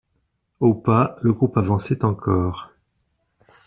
Au pas, le groupe avançait encore.